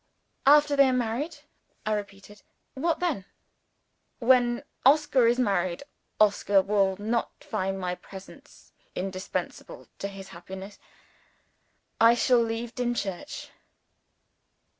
"After they are married," I repeated. "What then?" "When Oscar is married, Oscar will not find my presence indispensable to his happiness. I shall leave Dimchurch."